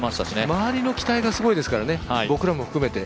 周りの期待がすごいですからね、僕らも含めて。